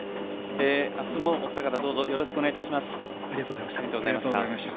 あすもお二方どうぞよろしくお願いいたします。